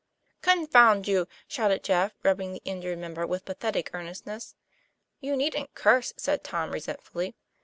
'' Confound you !" shouted Jeff, rubbing the injured member with pathetic earnestness. 'You needn't curse," said Tom resentfully.